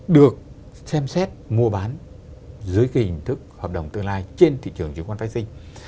được xem xét mua bán dưới cái hình thức hợp đồng tương lai trên thị trường chứng khoán phái sinh